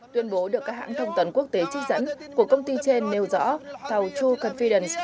tuyên bố được các hãng thông tấn quốc tế trích dẫn của công ty trên nêu rõ tàu troo confidence